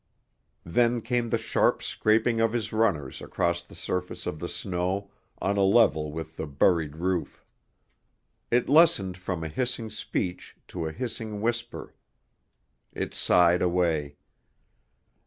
Then came the sharp scraping of his runners across the surface of the snow on a level with the buried roof. It lessened from a hissing speech to a hissing whisper. It sighed away.